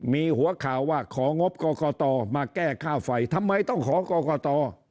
มีหัวข่าวว่าของงบกตมาแก้ค่าไฟทำไมต้องขอกรกต